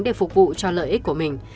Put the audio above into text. để phục vụ cho lợi ích của mình